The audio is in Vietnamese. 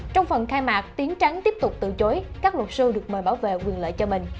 trong phần khai mạc tiến trắng tiếp tục từ chối các luật sư được mời bảo vệ quyền lợi cho mình